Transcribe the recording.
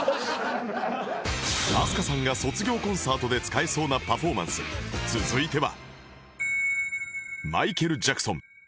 飛鳥さんが卒業コンサートで使えそうなパフォーマンス続いては